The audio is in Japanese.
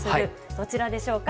どちらでしょうか？